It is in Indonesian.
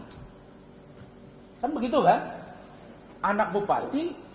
hai kan begitu kan anak bupati